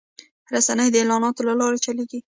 رسنۍ د اعلاناتو له لارې چلېږي